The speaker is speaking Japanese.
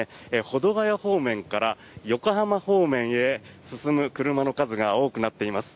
保土ヶ谷方面から横浜方面へ進む車の数が多くなっています。